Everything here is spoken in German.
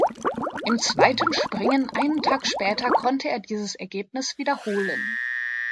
Im zweiten Springen einen Tag später konnte er dieses Ergebnis wiederholen.